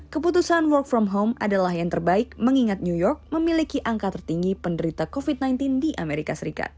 keputusan work from home adalah yang terbaik mengingat new york memiliki angka tertinggi penderita covid sembilan belas di amerika serikat